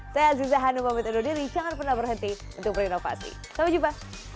saya aziza hanum pamit undur diri jangan pernah berhenti untuk berinovasi sampai jumpa